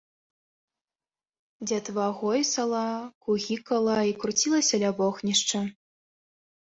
Дзятва гойсала, кугікала і круцілася ля вогнішча.